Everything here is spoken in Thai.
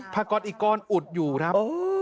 พากรอีกก้อนอุดอยู่ครับ